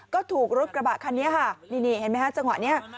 ก็ถูกรถกระบะคันนี้ค่ะนี่เห็นไหมฮะจังหวะนี้